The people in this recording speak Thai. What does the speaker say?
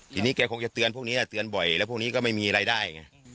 ทีนี้แกคงจะเตือนพวกนี้เตือนบ่อยแล้วพวกนี้ก็ไม่มีรายได้ไง